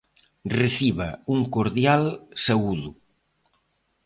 Reciba un cordial saúdo.